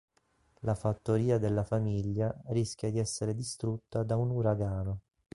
La fattoria della famiglia rischia di essere distrutta da un uragano.